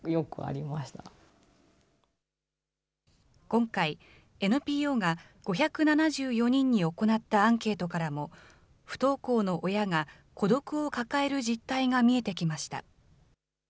今回、ＮＰＯが５７４人に行ったアンケートからも、不登校の親が孤独を抱える実態が見えてきました。